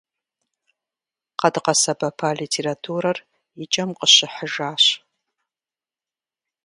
Къэдгъэсэбэпа литературэр и кӏэм къыщыхьыжащ.